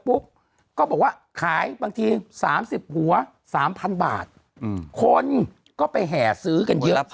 ก็บอกว่าขายบางที๓๐หัว๓๐๐บาทคนก็ไปแห่ซื้อกันเยอะ